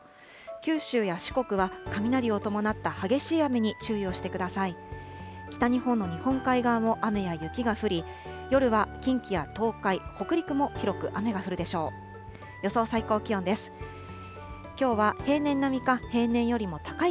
九州や四国は雷を伴った激しい雨に注意をしてください。